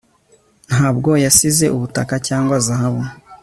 Ntabwo yasize ubutaka cyangwa zahabu